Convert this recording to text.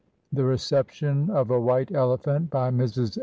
THE RECEPTION OF A WHITE ELEPHANT BY MRS.